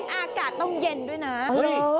และอากาศต้องเย็นด้วยนะเฮ้ย